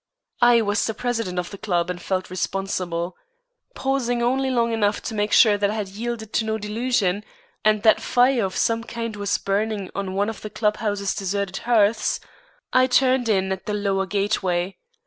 I was the president of the club and felt responsible. Pausing only long enough to make sure that I had yielded to no delusion, and that fire of some kind was burning on one of the club house's deserted hearths, I turned in at the lower gateway.